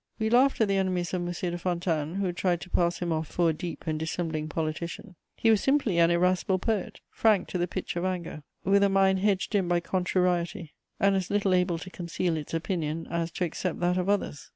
We laughed at the enemies of M. de Fontanes, who tried to pass him off for a deep and dissembling politician: he was simply an irascible poet, frank to the pitch of anger, with a mind hedged in by contrariety, and as little able to conceal its opinion as to accept that of others.